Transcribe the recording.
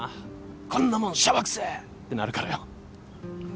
こんなもんシャバくせえってなるからよ。